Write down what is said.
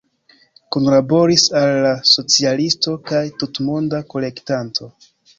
Kunlaboris al „La Socialisto“ kaj „Tutmonda Kolektanto“.